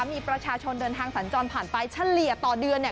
มีประชาชนเดินทางสัญจรผ่านไปเฉลี่ยต่อเดือนเนี่ย